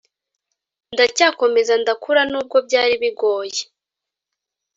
ndacyakomeza ndakura nubwo byari bigoye